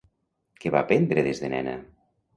Què va aprendre des de nena?